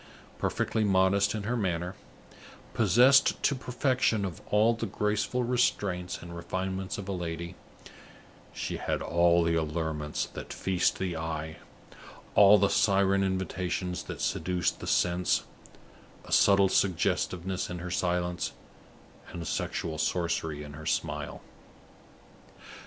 Perfectly modest in her manner, possessed to perfection of the graceful restraints and refinements of a lady, she had all the allurements that feast the eye, all the siren invitations that seduce the sense a subtle suggestiveness in her silence, and a sexual sorcery in her smile.